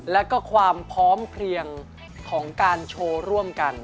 แล้วก็ความพร้อมเพลียงของการโชว์ร่วมกัน